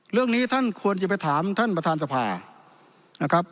เรื่องนี้ท่านควรจะไปถามท่านประธานสภานะครับ